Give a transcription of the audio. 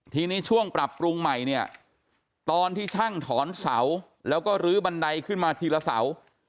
ทีนี้ช่วงปรับปรุงใหม่เนี่ยตอนที่ช่างถอนเสาแล้วก็ลื้อบันไดขึ้นมาทีละเสา